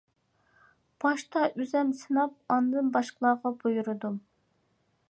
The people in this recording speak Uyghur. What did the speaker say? باشتا ئۈزۈم سىناپ ئاندىن باشقىلارغا بۇيرۇدۇم.